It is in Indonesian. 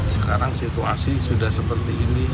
sekarang situasi sudah seperti ini